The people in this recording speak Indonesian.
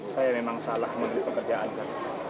saya memang salah memilih pekerjaan itu